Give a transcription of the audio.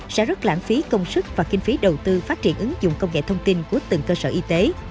sẽ rất lãng phí công sức và kinh phí đầu tư phát triển ứng dụng công nghệ thông tin của từng cơ sở y tế